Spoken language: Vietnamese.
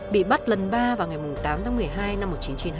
bị bắt lần ba vào ngày tám tháng một mươi hai năm một nghìn chín trăm chín mươi hai